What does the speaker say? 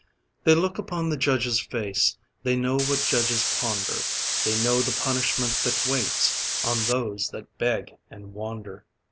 They look upon the judge's face, They know what judges ponder, They know the punishment that waits On those that beg and wander.